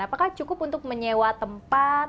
apakah cukup untuk menyewa tempat